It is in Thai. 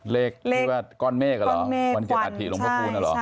เลขที่ว่าก้อนเมฆหรอก้อนเจ็บอาทิตย์หลวงพระครูนหรอ